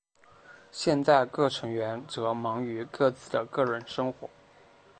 现在各成员则忙于各自的个人活动。